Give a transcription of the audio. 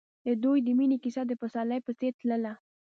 د دوی د مینې کیسه د پسرلی په څېر تلله.